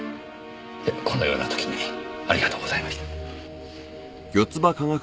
このような時にありがとうございました。